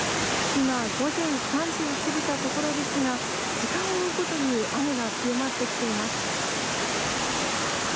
今、午前３時を過ぎたところですが時間を追うごとに雨が強まってきています。